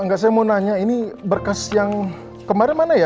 enggak saya mau nanya ini berkas yang kemarin mana ya